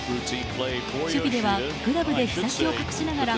守備ではグラブで日差しを隠しながら